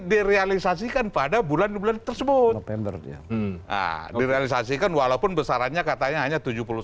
direalisasikan pada bulan bulan tersebut pemberian haa realisasikan walaupun besarannya katanya hanya